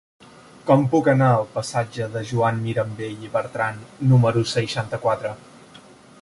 Com puc anar al passatge de Joan Mirambell i Bertran número seixanta-quatre?